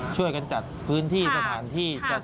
ช่วยกันจัดพื้นที่สถานที่จัด